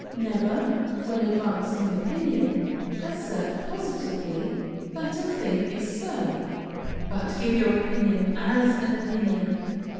Never, when advancing an opinion, assert positively that a thing "is so," but give your opinion as an opinion.